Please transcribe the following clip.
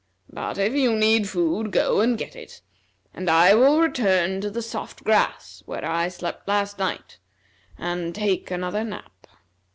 But if you need food, go and get it, and I will return to the soft grass where I slept last night and take another nap."